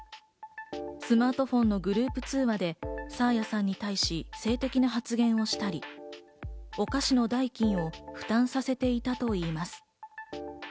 スマートフォンのグループ通話で爽彩さんに対し性的な発言をしたり、お菓子の代金を負担させていたといいます。